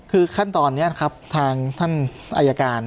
คือขั้นตอนนี้ครับทางท่านอายการ